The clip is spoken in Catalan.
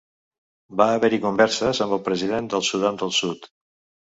Va haver-hi converses amb el president del Sudan del Sud.